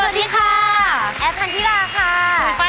แม่บ้านประจันบัน